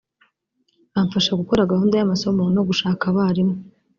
bamfasha gukora gahunda y’amasomo no gushaka abarimu